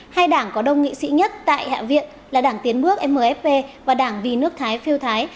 hai đảng có đông nghị sĩ nhất tại hạ viện là đảng tiến bước mfp và đảng vì nước thái phiêu thái